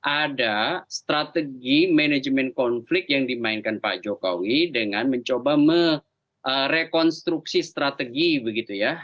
ada strategi manajemen konflik yang dimainkan pak jokowi dengan mencoba merekonstruksi strategi begitu ya